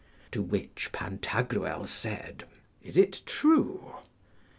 To which Pantagruel said, Is it true?